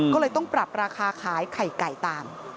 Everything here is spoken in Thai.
ก็เลยต้องปรับราคาขายไข่ไก่ตาม